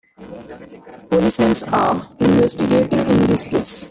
Policemen are investigating in this case.